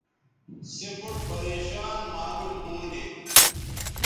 سے بُوٹ پریشان معلوم ھونے